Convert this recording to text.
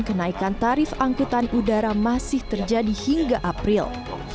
kenaikan tarif angkutan udara masih terjadi hingga april